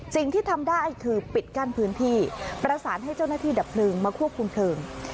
สิ่งที่ทำได้คือปิดกั้นพื้นที่ประสานให้เจ้าหน้าที่ดับเพลิงมาควบคุมเพลิง